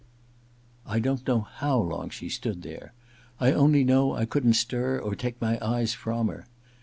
I don't know how long she stood there. I only know I couldn't stir or take my eyes from her.